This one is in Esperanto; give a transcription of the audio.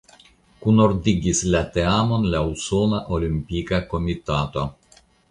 Kunordigis la teamon la Usona Olimpika Komitato.